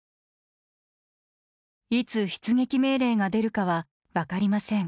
いつ出撃命令が出るかはわかりません。